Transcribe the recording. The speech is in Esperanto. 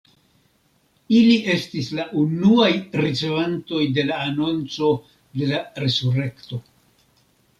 Ili estis la unuaj ricevantoj de la anonco de la resurekto.